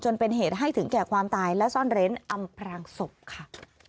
เป็นเหตุให้ถึงแก่ความตายและซ่อนเร้นอำพรางศพค่ะ